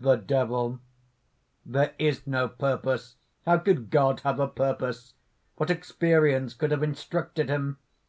THE DEVIL. "There is no purpose. How could God have a purpose? What experience could have instructed him?